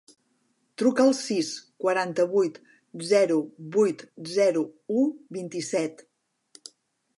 Truca al sis, quaranta-vuit, zero, vuit, zero, u, vint-i-set.